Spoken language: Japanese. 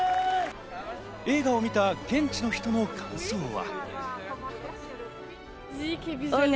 映画を見た現地の人の感想は。